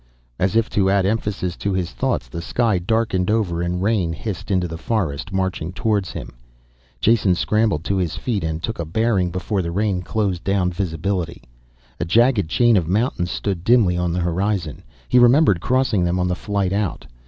As if to add emphasis to his thoughts, the sky darkened over and rain hissed into the forest, marching towards him. Jason scrambled to his feet and took a bearing before the rain closed down visibility. A jagged chain of mountains stood dimly on the horizon, he remembered crossing them on the flight out.